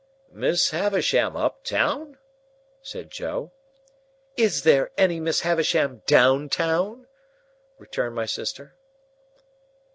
"Miss Havisham, up town?" said Joe. "Is there any Miss Havisham down town?" returned my sister.